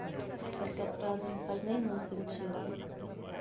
Esta frase não faz nenhum sentido.